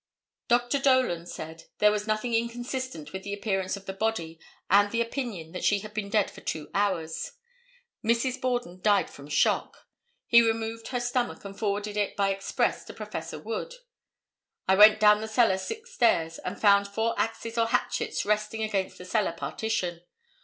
Dr. Dolan said there was nothing inconsistent with the appearance of the body and the opinion that she had been dead for two hours. Mrs. Borden died from shock. He removed her stomach and forwarded it by express to Prof. Wood. "I went down the cellar stairs and found four axes or hatchets resting against the cellar partition.